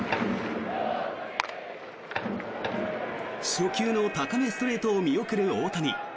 初球の高めストレートを見送る大谷。